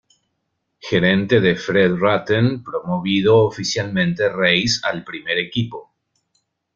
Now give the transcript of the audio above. Gerente de Fred Rutten promovido oficialmente Reis al primer equipo.